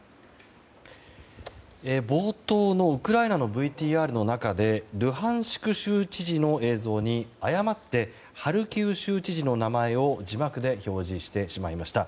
冒頭のウクライナのＶＴＲの中でルハンシク州知事の映像に誤ってハルキウ州知事の名前を字幕で表示してしまいました。